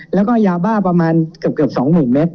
แล้วก็ยาบ้าประมาณเกือบ๒๐๐๐เมตร